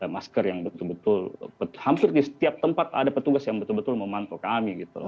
masker yang betul betul hampir di setiap tempat ada petugas yang betul betul memantau kami